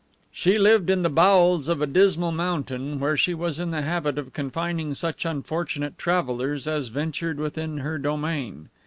She lived in the bowels of a dismal mountain, where she was in the habit of confining such unfortunate travellers as ventured within her domain.